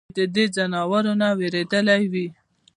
چې د دې ځناورو نه وېرېدلے وي ؟